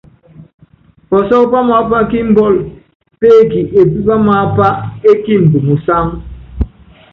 Pɔsɔ́k pámaapá kí imbɔ́l péeki epé pám aápá é kiimb musáŋ.